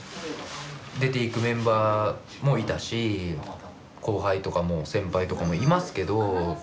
出ていくメンバーもいたし後輩とかも先輩とかもいますけど。